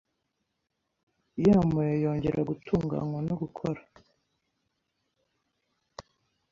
yamabuye yongera gutunganywa no gukora